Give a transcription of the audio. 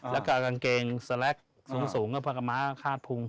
แล้วก็กางเกงสลักสูงแล้วพระกรมะฆาตพรุง